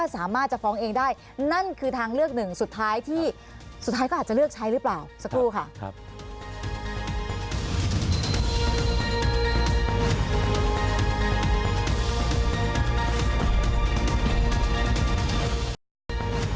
สามารถจะฟ้องเองได้นั่นคือทางเลือกหนึ่งสุดท้ายที่สุดท้ายก็อาจจะเลือกใช้หรือเปล่าสักครู่ค่ะ